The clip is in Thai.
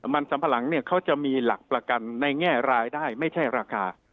มันสัมปะหลังเนี่ยเขาจะมีหลักประกันในแง่รายได้ไม่ใช่ราคา